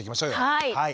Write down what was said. はい。